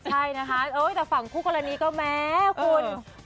ใช่นะคะแต่ฝั่งคู่กรณีก็แม้คุณ